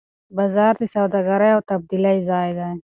بازار د سوداګرۍ او تبادلې ځای دی.